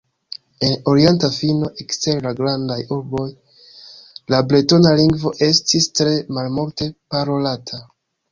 En orienta fino, ekster la grandaj urboj, la bretona lingvo estis tre malmulte parolata.